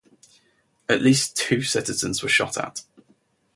At least two citizens were shot at.